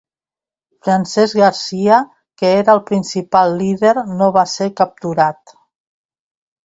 Francesc Garcia, que era el principal líder no va ser capturat.